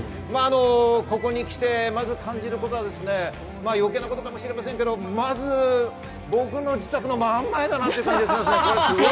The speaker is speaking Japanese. ここに来て感じることは余計なことかもしれませんがまず僕の自宅の真ん前だなと思います。